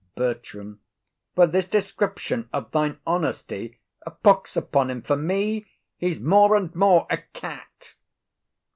BERTRAM. For this description of thine honesty? A pox upon him for me, he's more and more a cat.